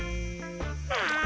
ああ。